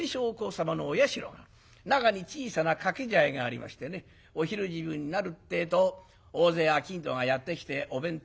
中に小さな掛け茶屋がありましてねお昼時分になるってえと大勢商人がやって来てお弁当を使う。